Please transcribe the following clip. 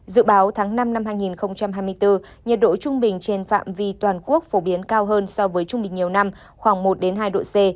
dự báo tháng năm năm hai nghìn hai mươi bốn nhiệt độ trung bình trên phạm vi toàn quốc phổ biến cao hơn so với trung bình nhiều năm khoảng một hai độ c